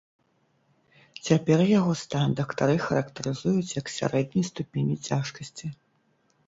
Цяпер яго стан дактары характарызуюць як сярэдняй ступені цяжкасці.